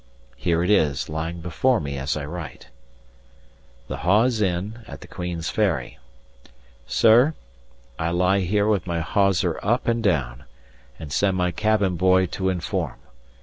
Here it is, lying before me as I write: "The Hawes Inn, at the Queen's Ferry. "Sir, I lie here with my hawser up and down, and send my cabin boy to informe.